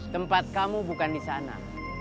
tempat kamu bukan di sana